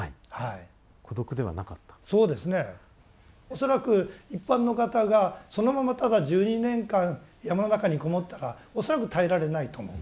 恐らく一般の方がそのままただ１２年間山の中に籠もったら恐らく耐えられないと思う。